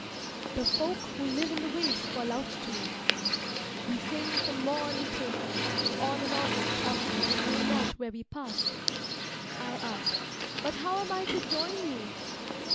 The folk who live in the waves call out to me "We sing from morning till night; on and on we travel and know not where we pass." I ask, "But, how am I to join you?"